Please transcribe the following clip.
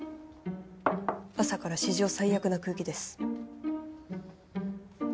朝から史上最悪な空気です。